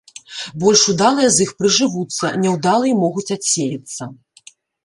Больш удалыя з іх прыжывуцца, няўдалыя могуць адсеяцца.